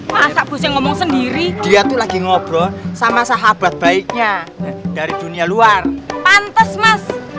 masa pusing ngomong sendiri dia tuh lagi ngobrol sama sahabat baiknya dari dunia luar pantas mas